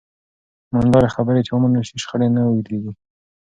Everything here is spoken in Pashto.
منځلارې خبرې چې ومنل شي، شخړې نه اوږدېږي.